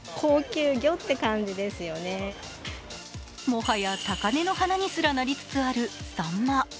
もはや高根の花にすらなりつつある、さんま。